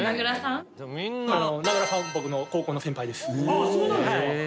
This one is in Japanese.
あっそうなんですか？